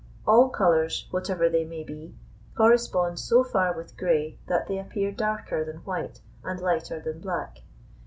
All colours, whatever they may be, correspond so far with grey, that they appear darker than white and lighter than black.